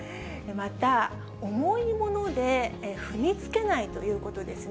また重いもので踏みつけないということですね。